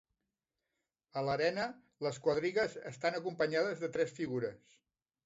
A l'arena, les quadrigues estan acompanyades de tres figures.